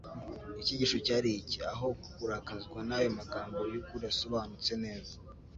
Icyigisho cyari iki: aho kurakazwa n'ayo magambo y'ukuri asobanutse neza,